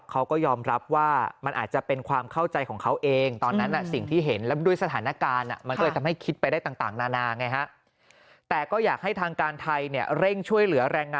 เขาก็ยอมรับว่ามันอาจจะเป็นความเข้าใจของเขาเอง